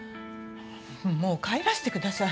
もう帰らせてください。